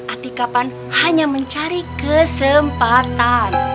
atikapan hanya mencari kesempatan